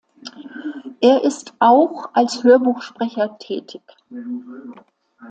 Er ist auch als Hörbuchsprecher tätig.